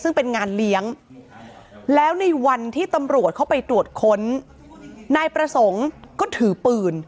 ซึ่งเป็นงานเลี้ยงแล้วในวันที่ตำรวจเข้าไปตรวจค้นนายประสงค์ก็ถือปืน